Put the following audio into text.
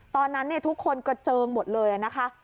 ตอนนั้นทุกคนกระเจิงหมดเลยนะคะ